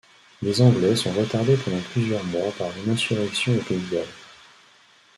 Les Anglais sont retardés pendant plusieurs mois par une insurrection au Pays de Galles.